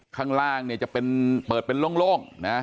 ข้างล่างเนี่ยจะเป็นเปิดเป็นโล่งนะ